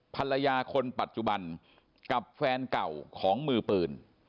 ภรรยาคนปัจจุบันกับแฟนเก่าของมือปืน